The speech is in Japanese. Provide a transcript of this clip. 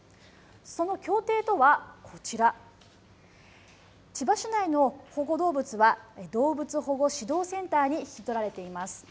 その協定とはこちら、千葉市内の保護動物は、動物保護指導センターに引き取られています。